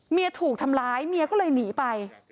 ถูกทำร้ายเมียก็เลยหนีไป